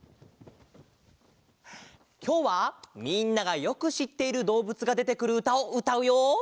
きょうはみんながよくしっているどうぶつがでてくるうたをうたうよ。